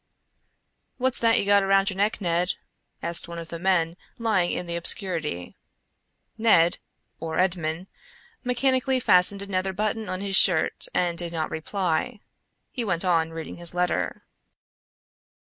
"What's that you got around your neck, Ned?" asked one of the men lying in the obscurity. Ned—or Edmond—mechanically fastened another button of his shirt and did not reply. He went on reading his letter.